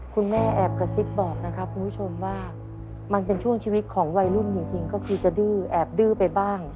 แม่แอบกระซิบบอกนะครับคุณผู้ชมว่ามันเป็นช่วงชีวิตของวัยรุ่นจริงก็คือจะดื้อแอบดื้อไปบ้าง